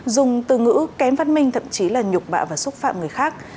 dùng từ ngữ kém phát minh thậm chí là nhục bạ và xúc phạm người khác